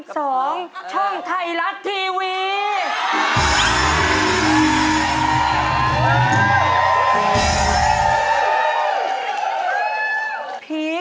เป็นเรื่องราวของแม่นาคกับพี่ม่าครับ